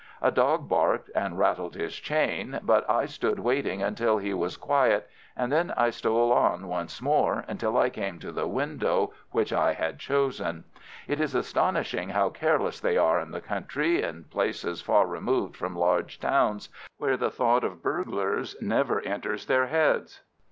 A dog barked and rattled his chain, but I stood waiting until he was quiet, and then I stole on once more until I came to the window which I had chosen. It is astonishing how careless they are in the country, in places far removed from large towns, where the thought of burglars never enters their heads.